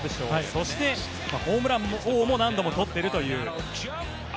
そして、ホームラン王も何度も取っているという。